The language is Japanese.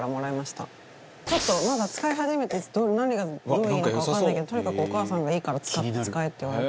ちょっとまだ使い始めて何がどういいのかわからないけどとにかくお義母さんがいいから使えって言われて。